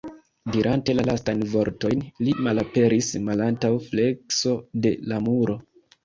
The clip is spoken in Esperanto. Dirante la lastajn vortojn, li malaperis malantaŭ flekso de la muro.